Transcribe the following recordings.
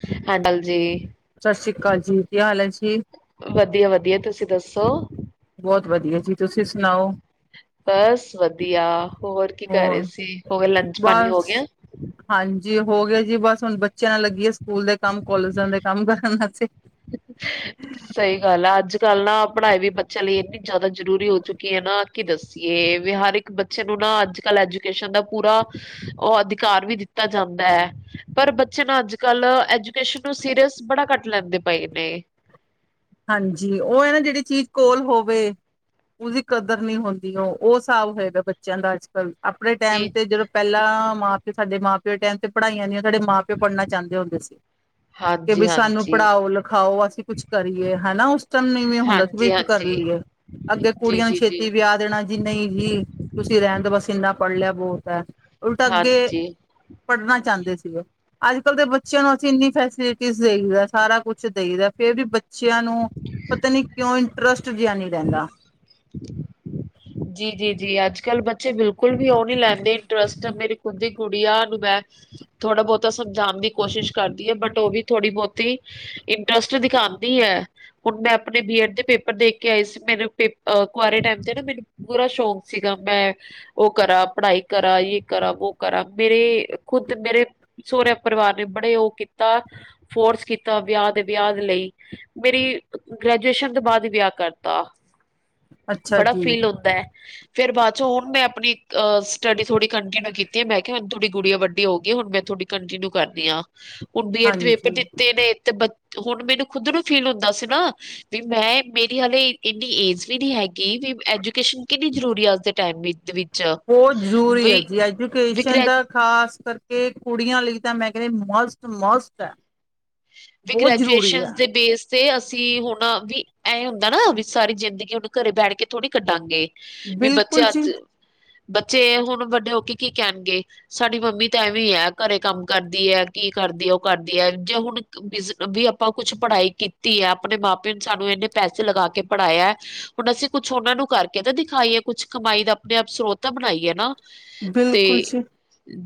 [unintelligible] ਸਤਿ ਸ੍ਰੀ ਅਕਾਲ ਜੀ ਕੀ ਹਾਲ ਹੈ ਜੀ ਵਧੀਆ ਵਧੀਆ, ਤੁਸੀਂ ਦੱਸੋ? ਬਹੁਤ ਵਧੀਆ ਜੀ, ਤੁਸੀਂ ਸੁਣਾਓ? ਬਸ ਵਧੀਆ ਹੋਰ ਕੀ ਕਰ ਰਹੇ ਹੋਰ ਸੀ ਹੋਵੇ ਲੰਚ ਪਾਣੀ ਹੋ ਬਸ ਗਿਆ। ਹਾਂਜੀ ਹੋ ਗਿਆ ਜੀ ਬਸ ਹੁਣ ਬੱਚਿਆਂ ਨਾਲ ਲੱਗੀ ਹੈ ਸਕੂਲ ਦੇ ਕੰਮ ਕਾਲਜਾਂ ਦੇ ਕੰਮ ਕਰਨ ਵਾਸਤੇ, ਸਹੀ ਗੱਲ ਹੈ ਅੱਜ ਕੱਲ੍ਹ ਨਾ ਪੜ੍ਹਾਈ ਵੀ ਬੱਚਿਆਂ ਲਈ ਇੰਨੀ ਜ਼ਿਆਦਾ ਜ਼ਰੂਰੀ ਹੋ ਚੁੱਕੀ ਹੈ ਨਾ ਕੀ ਦੱਏ ਵੀ ਹਰ ਇੱਕ ਬੱਚੇ ਨੂੰ ਨਾ ਅੱਜ ਕੱਲ੍ਹ ਐਜੂਕੇਸ਼ਨ ਦਾ ਪੂਰਾ ਉਹ ਅਧਿਕਾਰ ਵੀ ਦਿੱਤਾ। ਦਿੱਤਾ ਜਾਂਦਾ ਹੈ ਪਰ ਬੱਚੇ ਨੂੰ ਅੱਜ-ਕੱਲ੍ਹ ਐਜੂਕੇਸ਼ਨ ਨੂੰ ਸੀਰੀਅਸ ਬੜਾ ਕੱਟ ਲੈਂਦੇ। [unintelligible] ਹਾਂਜੀ ਉਹ ਹੈ ਨਾ ਜਿਹੜੀ ਚੀਜ਼ ਕੋਲ ਹੋਵੇ। ਉਹਦੀ ਕਦਰ ਨਹੀ ਹੁੰਦੀ ਉਹ-ਉਹ ਹਿਸਾਬ ਹੋਏਗਾ ਬੱਚਿਆਂ ਦਾ ਅੱਜ-ਕੱਲ ਆਪਣੇ ਜੀ, ਟਾਈਮ ਤੇ ਜਦੋਂ ਪਹਿਲਾਂ ਮਾਂ ਪਿਓ ਸਾਡੇ ਮਾਂ ਪਿਓ ਦੇ ਟੈਮ ਤੇ ਪੜ੍ਹਾਈਆਂ ਦੀ, ਸਾਡੇ ਮਾਂ ਪਿਓ ਪੜ੍ਹਨਾ ਚਾਹੁੰਦੇ ਹੁੰਦੇ ਸੀ ਕਿ ਵੀ ਸਾਨੂੰ ਹਾਂਜੀ-ਹਾਂਜੀ, ਪੜ੍ਹਾਓ ਲਿਖਾਓ ਅਸੀਂ ਕੁਛ ਕਰ। ਹਨਾ ਉਸ ਟਾਈਮਵੇਂ ਹੁੰਦਾ ਸੀ ਵੀ ਕਰ ਹਾਂਜੀ-ਹਾਂਜੀ, ਲਈਏ ਅੱਗੇ ਕੁੜੀਆਂ ਨੂੰ ਛੇਤੀ ਜੀ-ਜੀ-ਜੀ, ਵਿਆਹ ਦੇਣਾ ਜੀ ਨਹੀਂ। ਜੀ ਤੁਸੀਂ ਰਹਿਣ ਦੋ ਬਸ ਇੰਨਾ ਪੜ੍ਹ ਲਿਆ ਬਹੁਤ ਹੈ। ਉਲਟਾ ਅੱਗੇ ਹਾਂਜੀ। ਪੜ੍ਹਨਾ ਚਾਹੁੰਦੇ ਸੀਗੇ ਅੱਜ ਕੱਲ੍ਹ ਦੇ ਬੱਚਿਆਂ ਨੂੰ ਅਸੀਂ ਇੰਨੀ ਫੈਸਿਲਿਟੀ ਦੇਈ ਸਾਰਾ ਕੁਛ ਦੇਈ ਰਿਦਾ ਫੇਰ ਵੀ ਬੱਚੇ। ਬੱਚਿਆਂ ਨੂੰ ਪਤਾ ਨੀ ਕਿਉਂ ਇੰਟਰਸਟ ਜਿਹਾ ਨਹੀਂ ਰਹਿੰਦਾ। ਜੀ ਜੀ ਜੀ ਅੱਜ ਕੱਲ ਬੱਚੇ ਬਿਲਕੁਲ ਵੀ ਉਹ ਨੀ ਲੈਂਦੇ ਇੰਟਰਸਟ ਮੇਰੀ ਖੁਦ ਦੀ ਕੁੜੀ ਆ ਦੁਪਿਹਰ ਨੂੰ। ਥੋੜਾ ਬਹੁਤਾ ਸਮਝਾਉਣ ਦੀ ਕੋਸ਼ਿਸ਼ ਕਰਦੀ ਹੈ। ਬਟ ਉਹ ਵੀ ਥੋੜੀ ਬਹੁਤੀ ਇੰਟਰਸਟ ਦਿਖਾਣ। ਹੁਣ ਮੈਂ ਆਪਣੇ ਬੀਐਡ ਦੇ ਪੇਪਰ ਦੇਖ ਕੇ ਆਈ ਸੀ ਮੈਨ ਕੁਆਰੇ ਟਾਈਮ ਤੇ ਨਾ ਮੈਨੂੰ। ਬੁਰਾ ਸ਼ੌਕ ਸੀਗਾ ਮੈਂ ਉਹ ਕਰਾਂ ਪੜ੍ਹਾਈ ਕਰਾਂ ਯੇ ਕਰਾਂ ਵੋ ਕਰਾਂ ਮੇਰੇ। ਖੁੱਦ ਮੇਰੇ ਸੋਹੁਰਿਆਂ ਪਰਿਵਾਰ ਨੇ ਬੜੇ ਉਹ ਕੀਤਾ ਫੋਰਸ ਕੀਤਾ ਵਿਆਹ ਦੇ ਵਿਆਹ ਲਈ। ਮੇਰੀ ਗ੍ਰੈਜੂਏਸ਼ਨ ਤੋਂ ਬਾਅਦ ਵਿਆਹ ਕਰਤਾ। ਅੱਛਾ ਜੀ। [inaudible] ਫਿਰ ਬਾਅਦੋਂ ਹੁਣ ਮੈਂ ਆਪਣੀ ਅ ਸਟੱਡੀ ਥੋੜੀ ਕੰਟੀਿਊ ਕੀਤੀ ਮੈਂ ਕਿਹਾ ਥੋੜੀ ਗੁੜਿਆ ਵੱਡੀ ਹੋ ਗਈ ਹੈ ਹੁਣ ਮੈਥੋਂ। ਕੰਟਿਨਿਊ ਕਰਨੀ ਆ ਹੁਣ ਬੀਏਡ ਦੇ ਪੇਪਰ ਹਾਂਜੀ ਦਿੱਤੇ ਨੇ ਤੇ। ਹੁਣ ਮੈਨੂੰ ਖੁਦ ਨੂੰ ਫੀਲ ਹੁੰਦਾ ਸੀ ਨਾ ਵੀ ਮੈਂ ਮੇਰੀ ਹਾਲੇ ਇੰਨੀ ਏਜ ਵੀ ਨਹੀਂ ਹੈਗੀ। ਵੀ ਐਜੂਕੇਸ਼ਨ ਕਿੰਨੀ ਜ਼ਰੂਰੀ ਹੈ ਅੱਜ ਦੇ ਟਾਈਮ ਵਿੱਚ ਵੀ। ਬਹੁਤ ਜ਼ਰੂਰੀ ਹੈ ਜੀ ਵੀ ਐਜੂਕੇਸ਼ਨ ਗ੍ਰੈ ਦਾ ਖਾਸ ਕਰਕੇ। ਕਿ ਕੁੜੀਆਂ ਲਈ ਤਾਂ ਮੈਂ ਕਹਿੰਦੀ ਮਸਟ ਮਸਟ ਹੈ। ਵੀ ਬਹੁਤ ਜ਼ਰੂਰੀ ਗ੍ਰੈਜੂਏਸ਼ਨ ਹੈ ਦੇ ਬੇਸ ਤੇ ਅਸੀਂ। ਅਸੀਂ ਹੁਣ ਵੀ ਇਹ ਹੁੰਦਾ ਨਾ ਵੀ ਸਾਰੀ ਜ਼ਿੰਦਗੀ ਹਣ ਘਰੇ ਬੈਠ ਕੇ ਥੋੜ੍ਹੀ ਕੱਢਾਂਗੇ। ਵੀ ਬਿਲਕੁਲ ਬੱਚੇ ਜੀ। ਅੱਜ ਬੱਚੇ ਹੁਣ ਵੱਡੇ ਹੋ ਕੇ ਕੀ ਕਹਿਣਗੇ ਸਾਡੀ ਮੰਮੀ ਤਾਂ ਐਵੇਂ ਹੈ ਘਰੇ ਕੰਮ ਕਰਦੀ ਹੈ ਕੀ। ਕਰਦੀ ਉਹ ਕਰਦੀ ਹੈ ਜੇ ਹੁਣ। ਬ ਵੀ ਆਪਾਂ ਕੁਛ ਪੜ੍ਹਾਈ ਕੀਤੀ ਹੈ ਆਪਣੇ ਮਾਂ ਪਿਉ ਨੇ ਸਾਨੂੰ ਇਨੇ ਪੈਸੇ ਲਗਾ ਕੇ ਪੜ੍ਹਾਇਆ। ਹੁਣ ਅਸੀਂ ਕੁਛ ਉਹਨਾਂ ਨੂੰ ਕਰਕੇ ਤਾਂ ਦਿਖਾਈਏ ਕੁਛ ਕਮਾਈ ਦਾ ਆਪਣੇ ਆਪ ਸਰੋਤ ਬਣਾਈਏ ਨਾ। ਤੇ ਬਿਲਕੁਲ ਜੀ।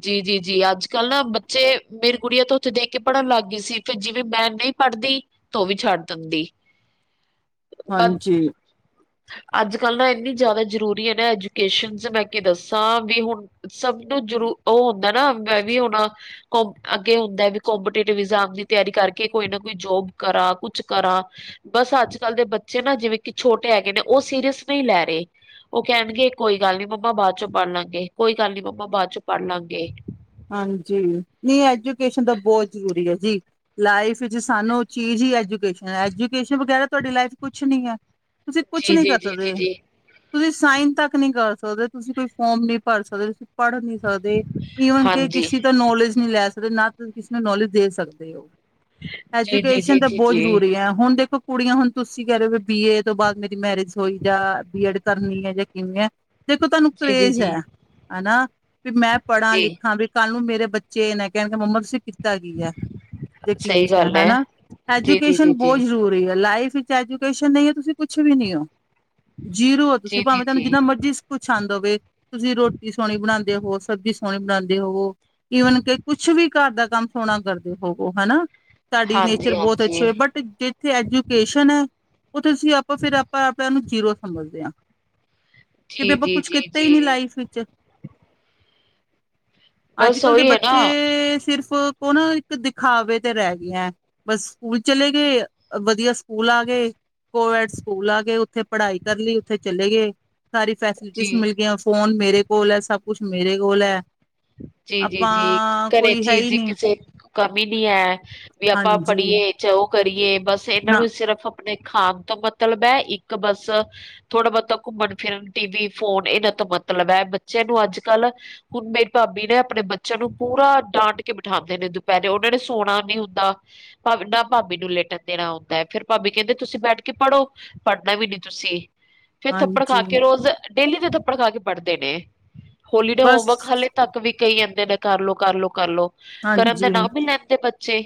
ਜੀ ਜੀ। ਜੀ ਅੱਜ ਕੱਲ੍ਹ ਨਾ ਬੱਚੇ ਮੇਰੀ ਗੁੜੀਆਂ ਤੋਂ ਉੱਥੇ ਦੇਖ ਕੇ ਪੜ੍ਹਨ ਲੱਗ ਗਈ ਸੀ। ਫਿਰ ਜਿਵੇਂ ਮੈਂ ਨਹੀਂ ਪੜ੍ਹਦੀ ਤਾਂ ਉਹ ਵੀ ਛੱਡ ਦਿੰਦੀ। ਹਾਂਜੀ। ਅੱਜ ਕੱਲ ਨਾ ਇੰਨੀ ਜ਼ਿਆਦਾ ਜਰੂਰੀ ਹੈ ਨਾ ਐਜੂਕੇਸ਼ਨ ਚ ਮੈਂ ਕੀ ਦੱਸਾਂ ਵੀ ਹੁਣ ਸਭ। ਮਨੂੰ ਜਰੂ ਉਹ ਹੁੰਦਾ ਨਾ ਮੈਂ ਵੀ ਹਣਾ [unintelligible] ਅੱਗੇ ਹੁੰਦਾ ਕੋਪਟਿਈਟਬ ਦੀ ਤਿਆਰੀ ਕਰਕੇ ਕੋਈ ਨਾ ਕੋਈ ਜੋਬ ਕਰਾ ਕੁਛ ਕਰਾ। ਬਸ ਅੱਜ ਕੱਲ੍ਹ ਦੇ ਬੱਚੇ ਨਾ ਜਿਵੇਂ ਕਿ ਛੋਟੇ ਹੈਗੇ ਨੇ ਉਹ ਸੀਰੀਅਸ ਨਹੀਂ ਲੈ ਰਹੇ। ਉਹ ਕਹਿਣਗੇ ਕੋਈ ਗੱਲ ਨੀ ਮੰਮਾ ਬਾਅਦ ਚ ਪੜ ਲਾਂਗੇ ਕੋਈ ਗੱਲ ਨੀ ਮੰਮਾ ਬਾਅਦ ਚੋਂ ਪੜ੍ਹ ਲਾਂਗੇ। ਹਾਂਜੀ ਨਹੀਂ ਐਜੂਕੇਸ਼ਨ ਤਾਂ ਬਹੁਤ ਜ਼ਰੂਰੀ ਹੈ ਜੀ। ਲਾਈਫ ਚ ਸਾਨੂੰ ਚੀਜ਼ ਹੀ ਐਜੂਕੇਸ਼ਨ ਐਜੂਕੇਸ਼ਨ ਵਗੈਰਾ ਤੁਹਾਡੀ ਲਾਈਫ ਕੁਛ ਨਹੀਂ ਹੈ। ਤੁਸੀਂ ਕੁਛ ਜੀ ਨਹੀਂ ਜੀ ਕਰ ਜੀ ਜੀ ਸਕਦੇ। ਜੀ ਤੁਸੀਂ ਸਾਈਨ ਤੱਕ ਨਹੀਂ ਕਰ ਸਕਦੇ ਤੁਸੀਂ ਕੋਈ ਫੋਰਮ ਨ ਭਰ ਸਕਦੇ ਤੁਸੀਂ ਪੜ ਨਹੀਂ ਸਕਦੇ। ਕਿ ਹਾਂਜੀ ਕਿਸੇ ਤਾਂ ਨੌਲੇਜ ਨਹੀਂ ਲੈ ਸਕਦੇ ਨਾਸੀਂ ਕਿਸੇ ਨੂੰ ਨੌਲੇਜ ਦੇ ਸਕਦੇ ਹੋ। ਜੀ ਜੀ ਐਜੂਕੇਸ਼ਨ ਜੀ ਤਾਂ ਜੀ ਬਹੁਤ ਜਰੂਰੀ ਜੀ ਹੈ ਹੁਣ ਦੇਖੋ। ਕੁੜੀਆਂ ਹੁਣ ਤੁਸੀਂ ਕਹਿ ਲਹੇ ਵੀ ਬੀ ਏ ਤੋਂ ਬਾਅਦ ਮੇਰੀ ਮੈਰਿਜ ਹੋਈ ਜਾਂ ਬੀਐਡ ਕਰਨੀ ਹੈ ਜਾਂ ਕਿਵੇਂ ਹੈ। ਦੇਖੋ ਤੁਹਾਨੂੰ ਜੀ ਜੀ ਕਰੇਜ਼ ਹੈ ਜੀ ਹਨਾ ਵੀ ਮੈਂ ਪੜਾ ਲਿਖਾ। ਜੀ ਕੱਲ੍ਹ ਨੂੰ ਮੇਰੇ ਬੱਚੇ ਇਹ ਨੇ ਕਹਿਣ ਮੰਮਾ ਤੁਸੀਂ। ਕੀਤਾ ਕੀ ਹੈ? ਕੀ ਸਹੀ ਪੁੱਛਿਆ ਗੱਲ ਹੈ ਹਨਾ ਜੀ ਜੀ ਐਜੂਕੇਸ਼ਨ ਜੀ ਬਹੁਤ ਜੀ ਜ਼ਰੂਰੀ ਹੈ ਲਾਈਫ। ਐਜੂਕੇਸ਼ਨ ਨਹੀਂ ਹੈ ਤੁਸੀਂ ਕੁਛ ਵੀ ਨੀ ਹੋ। ਜੀਰੋ ਜੀ ਤੁਸੀਂ ਜੀ ਭਾਵੇਂ ਤੁਹਾਨੂੰ ਜੀ ਜਿੰਨਾ ਮਰਜ਼ੀ ਕੁਛ ਆਉਂਦ ਹੋਵੇ। ਤੁਸੀਂ ਰੋਟੀ ਸੋਹਣੀ ਬਣਾਉਂਦੇ ਹੋ ਸਬਜ਼ੀ ਸੋਹਣੀ ਬਣਾਉਂਦੇ। ਕਰਦੇ ਰਹੋ ਈਵਨ ਕਿ ਕੁਛ ਵੀ ਘਰ ਦਾ ਕੰਮ ਸੋਹਣਾ ਕਰਦੇ ਹੋਵੋ ਹਨਾ। ਸਾਡੀ ਨੇਚਰ ਹਾਂਜੀ ਬਹੁਤ ਅੱਛੀ ਹਾਂਜੀ ਹੋਏ ਬਟ ਜਿੱਥੇ ਐਜੂਕੇਸ਼ਨ ਹੈ। ਉੱਥੇ ਅਸੀਂ ਆਪਾਂ ਫਿਰ ਆਪਾਂ ਆਪਾਂ ਨੂੰ ਜੀਰੋ ਸਮਝਦੇ ਹਾਂ। ਕਿ ਵੀ ਜੀ, ਆਪਾਂ ਜੀ, ਕੁਛ ਜੀ, ਕੀਤਾ ਹੀ ਨਹੀਂ ਜੀ ਲਾਈਫ ਵਿੱਚ। ਅੱਜ ਬਸ ਕੱਲ੍ਹ ਦੇ ਉਹੀ ਹੈ ਨਾ ਬੱਚੇ ਸਿਰਫ਼। ਉਹਨੂੰ ਇੱਕ ਦਿਖਾਵੇ ਤੇ ਰਹਿ ਗਈਆਂ ਬਸ ਸਕੂਲ ਚਲੇ ਗਏ ਵਧੀਆ ਸਕੂਲ ਆ ਗਏ। ਕੋ-ਐਡ ਸਕੂਲ ਆ ਗਏ ਉੱਥੇ ਪੜ੍ਹਾਈ ਕਰ ਲਈ ਉੱਥੇ ਚਲੇ ਗਏ। ਸਾਰੀ ਫੈਸਿਲਿਟੀਜ਼ ਜੀ, ਮਿਲ ਗਈਆਂ ਫੋਨ ਮੇਰੇ ਕੋਲ ਹੈ, ਸਭ ਕੁਛ ਮੇਰੇ ਕੋਲ ਹੈ। ਅੱਛਾ। [inaudible] ਜੀ ਜੀ ਜੀ ਆਪਾਂ ਘਰੇ ਕੋਈ ਹੈ ਚੀਜ਼ ਹੀ ਦੀ ਨਹੀਂ ਕਿਸੇ ਕਮੀ ਨੀ ਹੈ ਵੀ ਆਪਾਂ ਹਾਂਜੀ ਪੜ੍ਹੀਏ ਜਦੋਂ। ਕਰੀਏ ਬਸ ਇਹਨਾਂ ਨਾ ਨੂੰ ਸਿਰਫ਼। ਆਪਣੇ ਖਾਣ ਤੋਂ ਮਤਲਬ ਹੈ। ਇੱਕ ਬਸ ਥੋੜਾ ਬਹੁਤਾ ਘੁੰਮਣ ਫਿਰਨ ਟੀ ਵੀ ਫੋਨ। ਇਹਨਾ ਤੋਂ ਮਤਲਬ ਹੈ ਬੱਚਿਆਂ ਨੂੰ ਅੱਜ ਕੱਲ ਹੁਣ। ਭਾਬੀ ਨੇ ਆਪਣੇ ਬੱਚਿਆਂ ਨੂੰ ਪੂਰਾ ਡਾਂਟ ਕੇ ਬਿਠਾਉਂਦੇ ਨੇ ਦੁਪਹਿਰੇ ਉਹਨਾਂ ਨੇ ਸੌਣਾ ਨੀ ਹੁੰਦਾ। ਨਾ ਭਾਬੀ ਨੂੰ ਲਿਟਣ ਦੇਣਾ ਹੁੰਦਾ ਹੈ। ਫੇਰ ਭਾਬੀ ਕਹਿੰਦੇ ਤੁਸੀਂ ਬੈਠ ਕੇ ਪੜ੍ਹੋ ਪੜ੍ਹਨਾ ਵੀ ਨੀ ਤੁਸੀਂ। ਫੇਰ ਥੱਪੜ ਖਾ ਹਾਂਜੀ ਕੇ ਰੋਜ਼ ਡੇਲੀ ਦੇ ਥੱਪੜ ਖਾ ਕੇ ਪੜ੍ਹਦੇ ਨੇ ਹੋਲੀਡੇ ਬਸ ਹੋਮਵਰਕ ਹਲੇ। ਤੱਕ ਵੀ ਕਹੀ ਜਾਂਦੇ ਨੇ ਕਰ ਲਓ, ਕਰ ਲਓ, ਕਰ ਲਓ ਕਰਨ ਦਾ ਹਾਂਜੀ ਨਾਮ ਨਹੀਂ ਲੈਂਦੇ ਬੱਚੇ।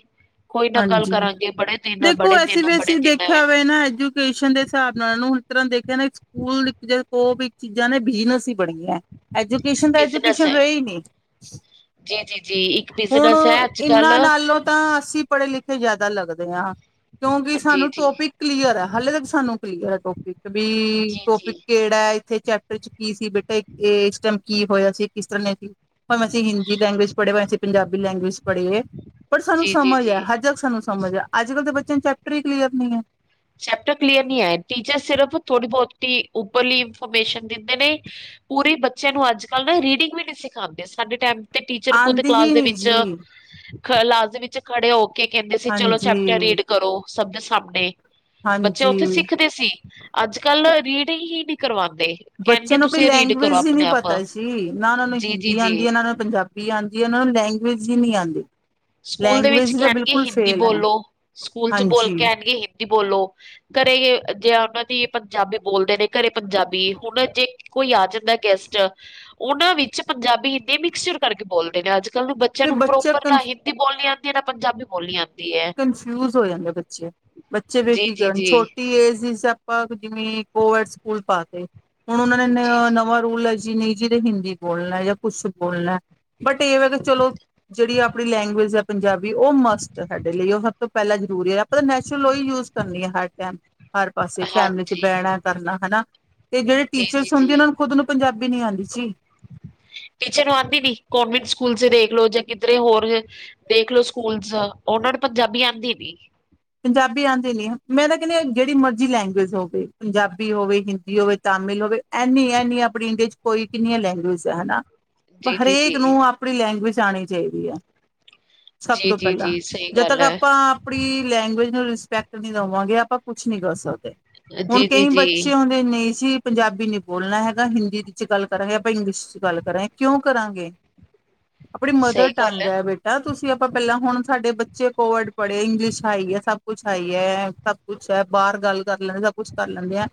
ਕੋਈ ਨਾ ਗੱਲ ਹਾਂਜੀ ਕਰਾਂਗੇ ਪੜ੍ਹਾਈ। ਦੇਖੋ ਅਸੀ ਵੀ ਅਸੀਂ ਦੇਖਿਆ ਹੋਇਆ ਨਾ ਐਜੂਕੇਸ਼ਨ ਦੇ ਹਿਸਾਬ ਨਾਲ ਨੂੰ ਇਸ ਤਰ੍ਹਾਂ ਦੇਖ। ਦੇਖਦੇ ਨੇ ਸਕੂਲ ਜਦੋਂ ਦੋ ਵੀ ਚੀਜ਼ਾਂ ਨੇ ਬਿਜਨਸ। ਬੜੀਆਂ ਐਜੂਕੇਸ਼ਨ ਤਾਂ ਬਿਜਨਸ ਐਜੂਕੇਸ਼ਨ ਹੈ। ਰਹੀ ਨਹੀਂ। ਜੀ ਜੀ ਜੀ ਇੱਕ ਹੁਣ ਬਿਜਨਸ ਹੈ ਅੱਜ ਕੱਲ ਇਹਨਾਂ ਨਾਲੋਂ ਤਾਂ ਅਸੀਂ ਪੜ੍ਹੇ ਲਿਖੇ ਜਿਆਦਾ ਲੱਗਦੇ ਹਾਂ। ਕਿਉਂਕਿ ਜੀ ਸਾਨੂੰ ਜੀ ਟੋਪਿਕ ਕਲੀਅਰ ਹੈ। ਹਾਲੇ ਤੱਕ ਸਾਨੂੰ ਕਲੀਅਰ ਹੈ। ਟੋਪਿਕ ਵੀ ਜੀ ਟੋਪਿਕ। ਜੀ। ਕਿਹੜਾ ਇੱਥੇ ਚੈਪਟਰ 'ਚ ਕੀ ਸੀ। ਬੇਟਾ ਇੱਥੇ ਇਸ ਟਾਈਮ ਕੀ ਹੋਇਆ ਸੀ। ਕਿਸੇ ਨੇ ਵੀ। ਭਾਵੇਂ ਅਸੀਂ ਹਿੰਦੀ ਲੈਂਗੁਏਜ ਪੜ੍ਹੇ ਹੋਏ ਆ। ਅਸੀਂ ਪੰਜਾਬੀ ਲੈਂਗੁਏਜ ਪੜ੍ਹੇ। ਪਰ ਸਾਨੂੰ ਜੀ ਜੀ ਸਮਝ ਆ। ਜੀ। ਜੇਕਰ ਸਾਨੂੰ ਸਮਝ ਆ ਅੱਜ ਕੱਲ੍ਹ ਦੇ ਬੱਚਿਆਂ ਨੂੰ ਚੈਪਟਰ ਹੀ ਕਲੀਅਰ ਨਹੀਂ ਹੈ। ਚੈਪਟਰ ਕਲੀਅਰ ਨਹੀਂ ਆਏ ਟੀਚਰ ਸਿਰਫ ਥੋੜੀ ਬਹੁਤੀ ਉੱਪਰਲੀ ਇਨਫੋਰਮੇਸ਼ਨ ਦਿੰਦੇ ਨੇ। ਪੂਰੀ ਬੱਚਿਆਂ ਨੂੰ ਅੱਜ ਕੱਲ੍ਹ ਨਾ ਰੀਡਿੰਗ ਵੀ ਨੀ ਸਿਖਾਉਂਦੇ ਸਾਡੇ ਟਾਈਮ। ਤੇ ਟੀਚਰ ਖੁਦ ਆਂਦੀ ਕਲਾਸ ਹੀ ਦੇ ਨੀ ਵਿੱਚ। ਜੀ, ਕਲਾਸ ਦੇ ਵਿੱਚ ਖੜੇ ਹੋ ਕੇ ਕਹਿੰਦੇ ਸੀ। ਚਲੋ ਹਾਂਜੀ, ਚੈਪਟਰ ਰੀਡ ਕਰੋ ਸਭ ਦੇ ਸਾਹਮਣੇ। ਬੱਚੇ ਹਾਂਜੀ। ਉੱਥੇ ਸਿੱਖਦੇ ਸੀ। ਅੱਜ ਕੱਲ ਰੀਡ ਹੀ ਨਹੀਂ ਕਰਵਾਉਂਦੇ। ਕਹਿਣਗੇ ਬੱਚਿਆਂ ਨੂੰ ਆਪਣੀ ਤੁਸੀਂ ਰੀਡ ਕਰੋ ਲੈਂਗੁਏਜ ਹੀ ਨਹੀਂ ਆਪਣੇ ਆਪ ਪਤਾ ਜੀ ਨਾ ਉਹਨਾਂ ਨੂੰ ਜੀ ਜੀ ਹਿੰਦੀ ਆਉਂਦੀ ਜੀ ਹੈ, ਨਾ ਉਹ ਨੂੰ ਪੰਜਾਬੀ ਆਉਂਦੀ ਹੈ। ਉਹ ਨੂੰ ਲੈਂਗੁਏਜ ਹੀ ਨੀ ਆਉਂਦੀ। ਸਕੂਲ ਦੇ ਵਿੱਚ ਕਹਿਣਗੇ ਹਿੰਦੀ ਫੇਲ ਐ, ਬੋਲੋ ਸਕੂਲ 'ਚ ਬੋਲ ਹਾਂਜੀ, ਕਹਿਣਗੇ ਹਿੰਦੀ ਬੋਲੋ। ਘਰੇ ਗੇ ਜੇ ਆਉਣ। ਉਹਨਾਂ ਦੀ ਪੰਜਾਬੀ ਬੋਲਦੇ ਨੇ ਘਰੇ ਪੰਜਾਬੀ ਹੁਣ ਜੇ ਕੋਈ ਆ ਜਾਂਦਾ ਹੈ ਗੈਸਟ ਉਹ ਨਾ। ਵਿੱਚ ਪੰਜਾਬੀ, ਹਿੰਦੀ ਮਿਕਸਚਰ ਕਰਕੇ ਬੋਲਦੇ ਨੇ ਅੱਜ। ਕੱਲ ਨੂੰ ਬੱਚਿਆਂ ਫਿਰ ਨੂੰ ਬੱਚਾ ਪ੍ਰੋਪਰ ਕਨ ਨਾ ਹਿੰਦੀ ਬੋਲਣੀ ਆਉਂਦੀ ਹੈ, ਨਾ ਪੰਜਾਬੀ ਬੋਲਣੀ ਆਉਂਦੀ ਹੈ। ਕਨਫਿਊਜ ਹੋ ਜਾਂਦੇ ਹੈ ਬੱਚੇ ਬੱਚੇ ਵੀ ਫਿਰ ਜੀ ਕੀ ਜੀ ਕਰਨ ਜੀ ਛੋਟੀ ਏਜ। ਆਪਾਂ ਹੁਣ ਜਿਵੇਂ ਕੋਵਿਡ ਸਕੂਲ 'ਚ ਪਾ ਤੇ ਹੁਣ ਉਹ ਨੇ ਜੀ ਜੀ ਨਵਾਂ ਰੂਲ। ਜਿੰਨੇ ਜਿੰਨੇ ਹਿੰਦੀ ਬੋਲਣਾ ਜਾਂ ਕੁੱਛ ਬੋਲਣਾ ਬਟ ਇਹ ਹੈ ਕਿ ਚਲੋ ਜਿਹੜੀ। ਆਪਣੀ ਲੈਂਗੁਏਜ ਹੈ ਪੰਜਾਬੀ ਉਹ ਮਸਤ। ਦੇ ਲਈ ਉਹ ਸਭ ਤੋਂ ਪਹਿਲਾਂ ਜ਼ਰੂਰੀ ਹੈ। ਆਪਾਂ ਤਾਂ ਨੈਚੁਰਲ ਓਈ ਯੂਜ ਕਰਨੀ ਹੈ ਹਰ ਟਾਈਮ। ਹਰ ਪਾਸੇ ਫੈਮਿਲੀ 'ਚ ਹਾਂਜੀ। ਬਹਿਣਾ ਕਰਨਾ ਹਨਾ ਤੇ ਜਿਹੜੇ ਟੀਚਰਸ ਹੁੰਦੇ ਨੇ ਜੀ-ਜੀ-ਜੀ ਉਹਨਾਂ ਨੂੰ ਖੁਦ ਨੂੰ ਪੰਜਾਬੀ। ਵੀ ਨੀ ਆਉਂਦੀ ਜੀ। ਟੀਚਰ ਨੂੰ ਆਉਂਦੀ ਨਹੀਂ ਕੌਨਵੈਂਟ ਸਕੂਲ। 'ਚ ਦੇਖਲੋ ਜਾਂ ਕਿਧਰੇ ਹੋਰ ਦੇਖਲੋ ਸਕੂਲਸ ਉਹਨਾਂ ਨੂੰ ਪੰਜਾਬੀ ਆਉਂਦੀ ਨਹੀਂ। ਪੰਜਾਬੀ ਆਉਂਦੇ ਨੀ ਮੈਂ ਤਾਂ ਕਹਿੰਦੀ ਹਾ ਜਿਹੜੀ ਮਰਜ਼ੀ ਲੈਂਗੁਏਜ ਹੋਵੇ ਪੰਜਾਬੀ ਹੋਵੇ, ਹਿੰਦੀ ਹੋਵੇ, ਤਾਮਿਲਨਾਡੂ। ਹੋਵੇ ਇੰਨੀ ਇੰਨੀਆਂ ਆਪਣੀ ਇੰਡੀਆ 'ਚ ਕੋਈ ਕਿੰਨੀਆਂ ਲੈਂਗੁਏਜ ਆ ਹਨਾ। ਜੀ-ਜੀ-ਜੀ, ਹਰੇਕ ਨੂੰ ਆਪਣੀ ਲੈਂਗੁਏਜ ਆਉਣੀ ਚਾਹੀਦੀ ਹੈ। ਸਭ ਤੋਂ ਪਹਿਲਾਂ ਜੀ-ਜੀ-ਜੀ ਸਹੀ ਜਦ ਗੱਲ ਤੱਕ ਐ। ਆਪਾਂ ਆਪਣੀ। ਲੈਂਗੁਜ ਨੂੰ ਰਿਸਪੈਕਟ ਨਹੀਂ ਦੇਵਾਂਗੇ ਆਪਾਂ ਕੁਛ ਨਹੀਂੀ ਕਰ ਸਕਦੇ। ਹੁਣ ਕਈ ਬੱਚੇ ਜੀ-ਜੀ-ਜੀ ਹੁੰਦੇ ਨਹੀਂ ਜੀ। ਪੰਜਾਬੀ ਨੀ ਬੋਲਣਾ ਹੈਗਾ ਹਿੰਦੀ ਚ ਗੱਲ ਕਰਾਂਗੇ ਆਪਾਂ ਇੰਗਲਿਸ਼ ਚ ਗੱਲ ਕਰਾਂਗੇ ਕਿਉਂ ਕਰਾਂਗੇ। [inaudible] ਆਪਣੀ ਸਹੀ ਮਦਰ ਗੱਲ ਟੰਗ ਐ। ਹੈ ਬੇਟਾ ਤੁਸੀਂ ਆਪਾਂ ਪਹਿਲਾਂ ਹੁਣ ਸਾਡੇ ਬੱਚੇ ਕੋਵਰਡ ਪੜ੍ਹੇ ਇੰਗਲਿਸ਼। ਆਈ ਹੈ ਸਭ ਕੁੱਛ ਹੈਈ ਹੈ ਸਭ ਕੁੱਛ ਹੈ ਬਾਹਰ ਗੱਲ। ਕਰ ਲੈਂਦੇ ਸਭ ਕੁੱਛ ਕਰ ਲੈਂਦੇ ਆ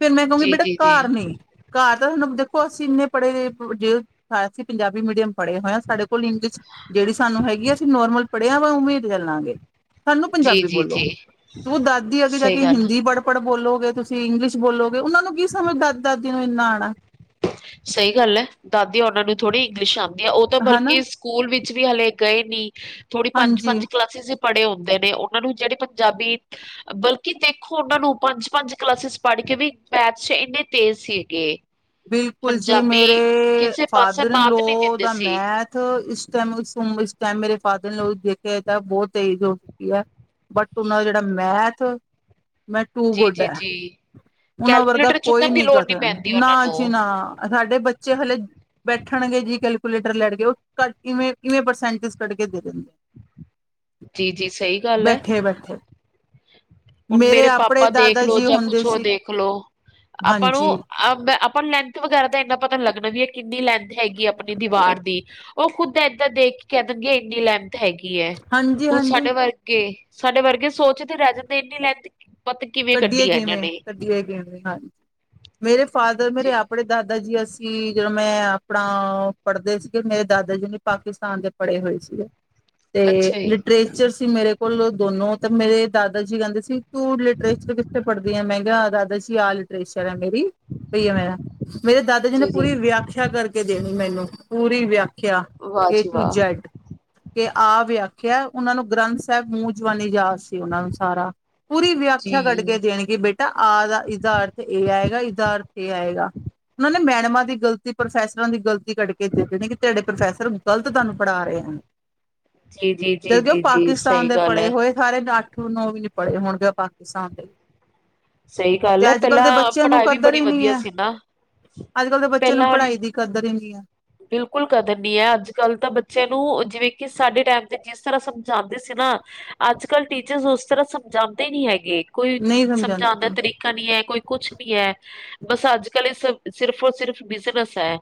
ਫੇਰ ਮੈਂ ਕਹੂੰਗੀ ਬੇਟਾ ਜੀ-ਜੀ-ਜੀ, ਘਰ ਨਹੀ ਘਰ। ਤੁਹਾਨੂੰ ਦੇਖੋ ਅਸੀਂ ਇੰਨੇ ਪੜ੍ਹੇ ਜੇ ਸਾਇਆ ਸੀ ਪੰਜਾਬੀ ਮੀਡੀਅਮ। ਪੜੇ ਹੋਏਆ ਸਾਡੇ ਕੋਲ ਇੰਗਲਿਸ਼ ਜਿਹੜੀ ਸਾਨੂੰ ਹੈਗੀ ਆ ਅਸੀਂ ਨੋਰਮਲ ਪੜ੍ਹਿਆ ਵਾ ਉਮੀਦ ਚੱਲਾਂਗੇ। ਸਾਨੂੰ ਪੰਜਾਬੀ ਬੋਲੋ ਜੀ-ਜੀ-ਜੀ ਉਹ ਦਾਦੀ ਅੱਗੇ ਜਾ ਕੇ ਸਹੀ ਗੱਲ ਹਿੰਦੀ ਪੜ੍ਹ ਪੜ੍ਹ ਬੋਲੋਗੇ ਤੁਸੀਂ ਇੰਗਲਿਸ਼ ਬੋਲੋ। ਉਹਨਾਂ ਨੂੰ ਕੀ ਸਮਝ ਦਾ ਦਾਦੀ ਨੂੰ ਇੰਨਾ ਆਣਾ। ਸਹੀ ਗੱਲ ਹੈ ਦਾਦੀ ਉਹਨਾਂ ਨੂੰ ਥੋੜ੍ਹੀ ਇੰਗਲਿਸ਼ ਆਉਂਦੀ ਹੈ ਉਹ ਤਾਂ ਬਲਕਿ ਹਨਾ ਸਕੂਲ ਵਿੱਚ। ਵੀ ਹਲੇ ਗਏ ਨੀ ਥੋੜੀ ਪੰਜ, ਹਾਂਜੀ ਪੰਜ ਕਲਾਸਿਸ ਵੀ ਪੜ੍ਹੇ ਹੁੰਦੇ ਨੇ ਉਹਨਾਂ ਨੂੰ ਜਿਹੜੇ। ਪੰਜਾਬੀ ਬਲਕ। ਕਿ ਦੇਖੋ ਉਹਨਾਂ ਨੂੰ ਪੰਜ, ਪੰਜ ਕਲਾਸਿਸ ਪੜ੍ਹ ਕੇ ਵੀ ਮੈਥ ਚ ਇੰਨੇ ਤੇਜ਼ ਸੀਗੇ। ਬਿਲਕੁਲ ਜੀ ਮੇਰੇ ਪੰਜਾਬੀ ਕਿਸੇ ਪਾਸੇ ਫਾਦਰ ਮਾਤ ਲੋ ਨਹੀਂ ਦਿੰਦੇ ਦਾ ਸੀ ਮੈਥ ਇਸ ਟਾਈਮ ਉਮ। ਟ ਮੇਰੇ ਫਾਦਰ ਨੇ ਦੇਖਿਆ ਤਾਂ ਬਹੁਤ ਤੇਜ਼ ਹੋ ਚੁੱਕੀ ਹੈ ਬਟ ਉਹਨਾਂ ਦਾ ਜਿਹੜਾ ਮੈਥ। ਮੈਂ ਟੂ ਜੀ ਗੁੱਡ ਜੀ ਹੈ ਜੀ ਉਹਨਾਂ ਵਰਗਾ ਕੈਲਕੂਲੇਟਰ ਕੋਈ ਚੁੱਕਣ ਦੀ ਨੀ ਲੋੜ ਨਹੀਂ ਕਥਨ ਪੈਂਦੀ ਨਾ ਉਹਨਾਂ ਜੀ ਨੂੰ ਨਾ। ਸਾਡੇ ਬੱਚੇ ਹਲੇ ਬੈਠਣਗੇ ਜੀ ਕੈਲਕੂਲੇਟਰ ਲੈੜ ਕੇ ਉਹ ਕੱਵੇਂ ਕਿਵੇਂ ਪਰਸੈਂਟਜ ਕੱਢ ਕੇ ਦੇ ਦਿੰਦੇ ਆ ਜੀ, ਜੀ ਸਹੀ ਗੱਲ ਏ ਹੁਣ ਮੇਰੇ ਆਪਣੇ ਪਾਪਾ ਦਾਦਾ ਦੇਖਲੋ ਜੀ ਜਾਂ ਕੁਛ ਹੁੰਦੇ ਹੋਰ ਸੀ ਦੇਖ ਲੋ ਆਪਾਂ ਨੂੰ ਹਾਂਜੀ, ਆਪ ਲ ਵਗੈਰਾ ਦਾ ਇੰਨਾ ਪਤਾ ਲੱਗਣਾ ਵੀ ਹੈ ਕਿੰਨੀ ਲੈਂਥ ਹੈਗੀ ਆਪਣੀ ਦੀਵਾਰ ਦੀ ਉਹ ਖੁੱਦ ਏਦਾਂ ਦੇਖ ਕੇ ਕਹਿ ਦਿੰਗੇ ਇੰਨੀ ਲੈਮਤ ਹੈਗੀ ਹੈ ਕੁ ਹਾਂਜੀ-ਹਾਂਜੀ ਸਾਡੇ ਵਰਗੇ ਸਾਡੇ ਵਰਗੇ ਸੋਚ ਤੇ ਰਹਿ ਜਾਂਦੇ ਇੰਨੀ [unintelligible] ਕੱਢੀਏ ਕੱਢੀ ਹੈ ਇਹਨਾਂ ਕਿਵੇਂ ਨੇ ਕੱਢੀਏ ਕਿਵੇਂ ਹਾਂਜੀ ਮੇਰੇ ਫਾਦਰ ਮੇਰੇ ਜੀ ਆਪਣੇ ਦਾਦਾ ਜੀ ਅਸੀ ਕਿ ਜਦੋਂ ਮੈਂ ਆਪਣਾ ਪੜ੍ਹਦੇ ਸੀਗੇ ਮੇਰੇ ਦਾਦਾ ਜੀ ਨੇ ਪਾਕਿਸਤਾਨ ਦੇ ਪੜ੍ਹੇ ਹੋਏ ਸੀਗੇ ਤੇ ਅੱਛਾ ਜੀ ਲਿਟਰੇਚਰ ਸੀ ਮੇਰੇ ਕੋਲ ਦੋਨੋ ਤੇ ਮੇਰੇ ਦਾਦਾ ਜੀ ਕਹਿੰਦੇ ਸੀ ਤੂੰ ਲਿਟਰੇਚਰ ਕਿਥੇ ਪੜ੍ਹਦੀ ਆ ਮੈਂ ਕਿਹਾ ਦਾਦਾ ਜੀ ਆ [unintelligible] ਸ਼ਰ ਮੇਰੀ ਪਈ ਆ ਮੈਂਰਾ ਮੇਰੇ ਦਾਦਾ ਜੀ ਨੇ ਪੂਰੀ ਵਿਆਖਿਆ ਕਰਕੇ ਦੇਣੀ ਮੈਨੂੰ ਪੂਰੀ ਵਿਆਖਿਆ ਵਾਹ ਏ ਜੀ ਟੂ ਵਾਹ ਜੈਡ ਕੇ ਆ ਵਿਆਖਿਆ ਉਹਨਾਂ ਨੂੰ ਗ੍ਰੰਥ ਸਾਹਿਬ ਮੂੰ ਜਵੀ ਯਾਦ ਸੀ ਉਹਨਾਂ ਨੂੰ ਸਾਰਾ ਪੂਰੀ ਵਿਆਖ [unintelligible] ਜੀ ਕੱਢ ਕੇ ਦੇਣਗੇ ਬੇਟਾ ਆਹ ਦਾ ਇਹਦਾ ਅਰਥ ਇਹ ਆਏਗਾ ਇਹਦਾ ਅਰਥ ਇਹ ਆਏਗਾ ਉਹ ਮੈਡਮਾਂ ਦੀ ਗ਼ਲਤੀ ਪ੍ਰੋਫੈਸਰਾਂ ਦੀ ਗ਼ਲਤੀ ਕੱਢਕੇ ਦੇ ਰਹੇ ਨੇ ਕਿ ਤੁਹਾਡੇ ਪ੍ਰੋਫੈਸਰ ਗਲਤ ਤੁਹਾਨੂੰ ਪੜ੍ਹਾ ਰਹੇ ਨੇ ਜੀ ਜੀ ਜੀ ਜਦਕਿ ਉਹ ਜੀ ਜੀ ਪਾਕਿਸਤਾਨ ਸਹੀ ਦੇ ਗੱਲ ਪੜ੍ਹੇ ਹੈ ਹੋਏ ਸਾਰੇ ਨਾਟ ਉਹ ਵੀ ਨੀ ਪੜੇ ਹੋਣਗੇ ਪਾਕਿਸਤਾਨ ਦੇ ਸਹੀ ਤੇ ਗੱਲ ਹੈ ਅੱਜ ਕੱਲ੍ਹ ਦੇ ਪਹਿਲਾਂ ਬੱਚਿਆਂ ਨੂੰ ਪੜ੍ਹਾਈ ਵੀ ਕਦਰ ਬੜੀ ਹੀ ਨਹੀਂ ਵਧੀਆ ਏ ਸੀ ਨਾ ਅੱਜ ਕੱਲ ਦੇ ਬੱਚੇ ਨੂੰ ਪਹਿਲਾਂ ਵਾਲੀ ਪੜ੍ਹਾਈ ਦੀ ਕਦਰ ਹੀ ਹੈ ਬਿਲਕੁਲ ਕਦਰ ਨੀ ਏ ਅੱਜ ਕੱਲ ਤਾਂ ਬੱਚੇ ਨੂੰ ਜਿਵੇਂ ਕਿ ਸਾਡੇ ਟਾਈਮ ਤੇ ਜਿਸ ਤਰ੍ਹਾਂ ਸਮਝਾਉਂਦੇ ਸੀ ਨਾ ਅੱਜ ਕੱਲ ਟੀਚਰ ਉਸ ਤਰ੍ਹਾਂ ਸਮਝਾਉਂਦੇ ਨੀ ਹੈਗੇ ਕੋਈ ਨਹੀਂ ਸਮਝਾਉਣ ਦਾ ਸਮਝਾਉਂਦੀ ਤਰੀਕਾ ਨੀ ਹੈ ਕੋਈ ਕੁਛ ਨੀ ਹੈ ਬਸ ਅੱਜ ਕੱਲ ਏ ਸਬ ਸਿਰਫ ਔਰ ਸਿਰਫ ਬਿਜਨਸ ਹੈ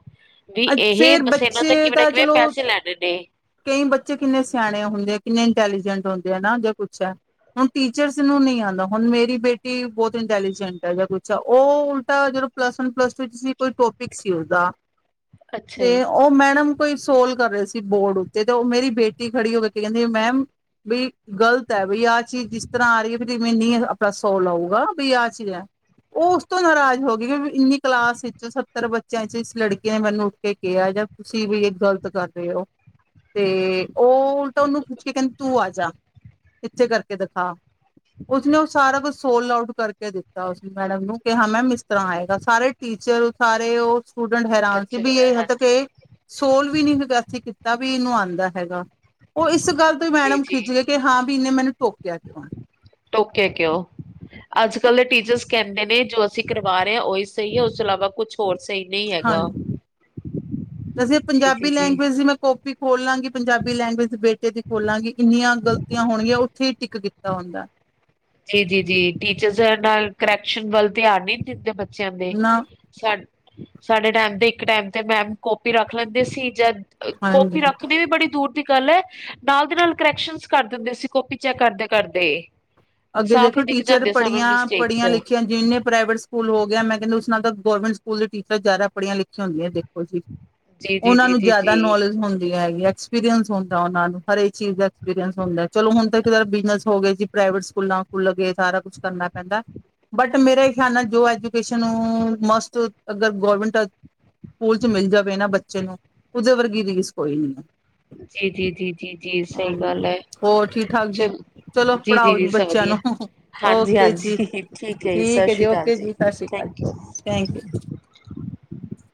ਵੀ ਅ ਇਹ ਫੇਿਰ ਬਸ ਇਹਨਾਂ ਤਾਂ ਬੱਚੇ ਕਿਵੇਂ ਨਾ ਦਾ ਕਿਵੇਂ ਚਲੋ [unintelligible] ਪੈਸੇ ਲੈਣੇ ਨੇ ਕਈ ਬੱਚੇ ਕਿੰਨੇ ਸਿਆਣੇ ਹੁੰਦੇ ਆ ਕਿੰਨੇ ਇੰਟੈਲੀਜੈਂਟ ਹੁੰਦੇ ਆ ਨਾ ਜਾਂ ਕੁਛ ਹੈ ਹੁਣ ਟੀਚਰਸ ਨੂੰ ਨਹੀਂ ਆਉਂਦਾ ਹੁਣ ਮੇਰੀ ਬੇਟੀ ਬਹੁਤ ਇੰਟੈਲੀਜੈਂਟ ਹੈ ਜਾਂ ਕੁਛ ਆ ਉਹ ਉਲਟਾ ਜ ਪਲੱਸ ਵਨ ਪਲੱਸ ਟੂ ਚ ਕੋਈ ਟੋਪਿਕ ਸੀ ਉਸਦਾ ਅੱਛਾ ਜੀ ਤੇ ਉਹ ਮੈਡਮ ਕੋਈ ਸੋਲ ਕਰ ਰਏ ਸੀ ਬੋਰਡ ਉੱਤੇ ਤੇ ਉਹ ਮੇਰੀ ਬੇਟੀ ਖੜੀ ਹੋ ਕੇ ਕਹਿੰਦੀ ਮੈਮ ਬਈ ਗ਼ਲਤ ਹੈ ਬਈ ਆਹ ਚੀਜ਼ ਜਿਸ ਤਰ੍ਹਾਂ ਆ ਰਹੀ ਹੈ ਵੀਵੇਂ ਨੀ ਆਪਣਾ ਸੌ ਲਊਗਾ ਬਈ ਆਹ ਚੀਜ਼ ਆ ਉਹ ਉਸ ਤੋਂ ਨਾਰਾਜ਼ ਹੋ ਗਏ ਕਿ ਇੰਨੀ ਕਲਾਸ ਵਿੱਚ ਸੱਤਰ ਬੱਚਿਆਂ ਚ ਇਸ ਲੜਕੀ ਕਿਨ ਮੈਨੂੰ ਉੱਠ ਕੇ ਕਿਹਾ ਜਾਂ ਤੁਸੀਂ ਵੀ ਇਹ ਗ਼ਲਤ ਕਰ ਰਹੇ ਹੋ ਤੇ ਉਹ ਉਲਟਾ ਉਹਨੂੰ ਪੁੱਛ ਕੇ ਕਹਿੰਦੀ ਤੂੰ ਆ ਜਾ ਇੱਥੇ ਕਰਕੇ ਦਿਖਾ ਉਸਨੇ ਉਹ ਸਾਰਾ ਕੁਛ ਸੋਲ ਆਊਟ ਕਰਕੇ ਦਿੱਤਾ ਉਸ ਮੈਡਮ ਨੂੰ ਕਿ ਹਾਂ ਮੈ ਇਸਿਸ ਤਰ੍ਹਾਂ ਆਏਗਾ ਸਾਰੇ ਟੀਚਰ ਸਾਰੇ ਉਹ ਸਟੂਡੈਂਟ ਹੈਰਾਨ ਸੀ ਬੱਚੇ ਵੀ ਇਹ ਵਗੈਰਾ ਹਦ ਕੇ ਹਾਂਜੀ ਸੋਲ ਵੀ ਨਹੀਂੀ ਹੈਗਾਸੀ ਕੀਤਾ ਵੀ ਇਹਨੂੰ ਆਉਂਦਾ ਹੈਗਾ ਉਹ ਇਸ ਗੱਲ ਤੋਂ ਹੀ ਜੀ ਮੈਡਮ ਜੀ ਖਿੱਚ ਗਏ ਕਿ ਹਾਂ ਵੀ ਇਹਨੇ ਮੈਨੂੰ ਟੋਕਿਆ ਕਿਉਂ ਟੋਕੇ ਕਿਉਂ ਅੱਜ ਕੱਲ ਦੇ ਟੀਚਰਸ ਕਹਿੰਦੇ ਨੇ ਜੋ ਅਸੀਂ ਕਰਵਾ ਰਹੇ ਹਾਂ ਉਹੀ ਸਹੀ ਹੈ ਉਸ ਤੋਂ ਇਲਾਵਾ ਕੁਛ ਹੋਰ ਸਹੀ ਨਹੀਂ ਹੈਗਾ ਦਸੀਂ ਜੀ ਪੰਜਾਬੀ ਜੀ ਜੀ ਲੈਂਗੁਏਜ ਦੀ ਮੈਂ ਕਾਪੀ ਖੋਲ ਲਾਂਗੀ ਪੰਜਾਬੀ ਲੈਂਗੁਏਜ ਦੇ ਬੇਟੇ ਦੀ ਖੋਲਾਂਗੀ ਇੰਨੀਆਂ ਗਲਤ ਹੋਣਗੀਆਂ ਉੱਥੇ ਹੀ ਟਿੱਕ ਕੀਤਾ ਹੁੰਦਾ ਜੀ ਜੀ ਜੀ ਟੀਚਰਸ ਨਾਲ ਕਰੈਕਸ਼ਨ ਵੱਲ ਧਿਆਨ ਨੀ ਦਿੰਦੇ ਬੱਚਿਆਂ ਦੇ ਨਾ ਸਾਡੇ ਟੈਮ ਦੇ ਇੱਕ ਟੈਮ ਤੇ ਮੈਮ ਪੀ ਰੱਖ ਲੈਂਦੇ ਸੀ ਜਾਂ ਕੋੋਪੀ ਹਾਂਜੀ ਰੱਖਦੇ ਵੀ ਬੜੀ ਦੂਰ ਦੀ ਗੱਲ ਹੈ ਨਾਲ ਦੀ ਨਾਲ ਕਰੈਕਸ਼ਨ ਕਰ ਦਿੰਦੇ ਸੀ ਕਪੀ ਚੈੱਕ ਕਰਦੇ ਕਰਦੇ ਅੱਗੇ ਸਾਫ਼ ਹੀ ਦੇਖੋ ਦਿਖ ਟੀਚਰ ਜਾਂਦੇ ਸਾਨੂੰ ਪੜ੍ਹੀਆਂ ਮਿਸਟੇਕਸ ਪੜ੍ਹੀਆਂ ਲਿਖੀਆਂ ਜਿੰਨੇ ਪ੍ਰਾਈਵੇਟ ਸਕੂਲ ਹੋ ਗਿਆ ਮੈਂ ਕਹਿੰਦੇ ਉਸ ਨਾਲ ਤਾਂ ਗੌਰਮੈਂਟ ਸਕੂਲ ਟੀਚਾਂ ਜ਼ਿਆਦਾੜੀਆਂ ਲਿਖੀਆਂ ਹੁੰਆਂਖ ਜੀ ਜੀ ਉਹਨਾਂ ਜੀ ਨੂੰ ਜੀ ਜਿਆਦਾ ਜੀ ਨੌਲੇਜ ਹੁੰਦੀ ਹੈਗੀ ਐਕਸਪੀਰੀਅੰਸ ਹੁੰਦਾ ਉਹਨਾਂ ਨੂੰ ਹਰੇਕ ਚੀਜ਼ ਦਾ ਐਕਸਪੀਰੀਅੰਸ ਹੁੰਦਾ ਚਲੋ ਹੁਣ ਤਾਂ ਬਿਜਨਸ ਹੋ ਗਏ ਜੀ ਪ੍ਰਾਈਵੇਟ ਫੁਲਾਂ ਫੁੱਲ ਕੇ ਸਾਰਾ ਕੁੱਛ ਕਰਨਾ ਪੈਂਦਾ। ਬਟ ਮੇਰਾ ਖਿਆਲ ਨਾਲ ਜੋ ਐਜੂਕੇਸ਼ਨ ਮਸਟ ਅਗਰ ਗੌਰਮੈਂਟ ਸਕੂਲ ਚ ਮਿਲ ਜਾਵੇ ਨਾ ਬੱਚੇ ਨੂੰ ਉਹਦੇ ਵਰਗੀ ਰੀਸ ਕੋਈ ਨੀ ਹੈ। ਜੀ ਜੀ ਜੀ ਜੀ ਜੀ ਸਹੀ ਗੱਲ ਹਾਂਜੀ ਹੈ ਹੋਰ ਠੀਕ ਠਾਕ ਜੀ ਚਲ ਚਲੋ ਜੀ ਜੀ ਪੜ੍ਹਾਓ ਜੀ ਬੱਚਿਆਂ ਨੂੰ ਹਾਂਜੀ ਓਕੇ ਜੀ ਹਾਂਜੀ ਠੀਕ ਹੈ ਜੀ ਸਤਿ ਸ੍ਰੀ ਅਕਾਲ ਓਕੇ ਜੀ ਸਤਿ ਸ਼੍ਰੀ ਅਕਾਲ ਥੈਂਕ ਜੀ ਓਕੇ ਥੈਂਕ ਯੂ। [inaudible]